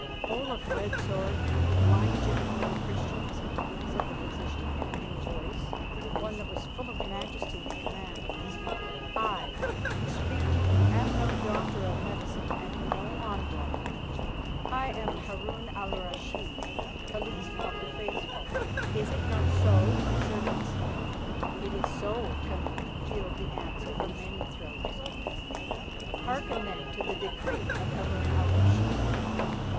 "Olaf Red Sword, the blind General of the Christians," said the physician in a new voice, one that was full of majesty and command, "I who speak to you am no doctor of medicine and no envoy. I am Harun al Rashid, Caliph of the Faithful. Is it not so, my servants?" "It is so, Caliph," pealed the answer from many throats. "Hearken, then, to the decree of Harun al Rashid.